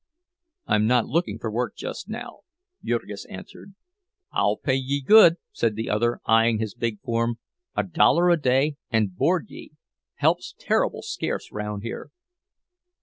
"I'm not looking for work just now," Jurgis answered. "I'll pay ye good," said the other, eying his big form—"a dollar a day and board ye. Help's terrible scarce round here."